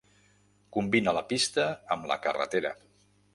Combina la pista, amb la carretera.